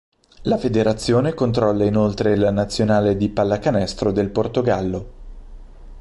La federazione controlla inoltre la nazionale di pallacanestro del Portogallo.